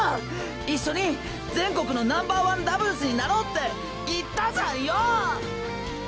一緒に全国のナンバーワンダブルスになろうって言ったじゃんよ！